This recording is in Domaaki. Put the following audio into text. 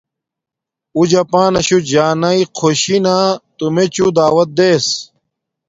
او جپاناشو جانݵ خوشی نا تو میچوں دعوت دیس